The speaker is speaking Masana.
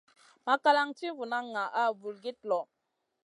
Makalan ti vunan ŋaʼa vulgit lõ.